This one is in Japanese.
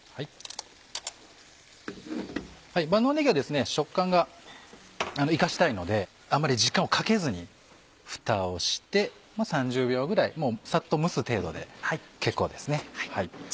万能ねぎは食感が生かしたいのであまり時間をかけずにふたをして３０秒ぐらいサッと蒸す程度で結構ですね。